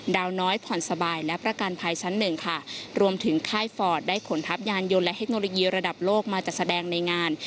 น้อยผ่อนสบายและประกันภัยชั้นหนึ่งค่ะรวมถึงค่ายฟอร์ดได้ขนทัพยานยนต์และเทคโนโลยีระดับโลกมาจัดแสดงในงาน